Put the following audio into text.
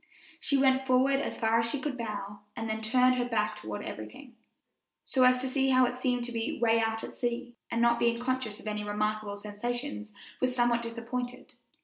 She went forward as far as she could to the bow, and then turned her back toward everything, so as to see how it seemed to be way out at sea; and not being conscious of any remarkable sensations, was somewhat disappointed.